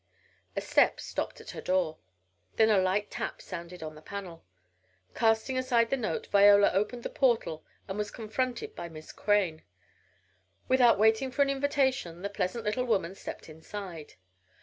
A step stopped at her door. Then a light tap sounded on the panel. Casting aside the note, Viola opened the portal and was confronted by Miss Crane. Without waiting for an invitation the pleasant little woman stepped inside.